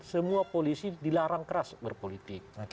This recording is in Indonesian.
semua polisi dilarang keras berpolitik